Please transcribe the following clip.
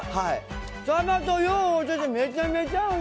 サバとよう合っててめちゃめちゃいいお味。